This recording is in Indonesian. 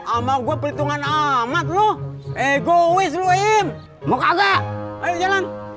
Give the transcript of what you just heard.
ama gua perlindungan amat lu egois lu mok agak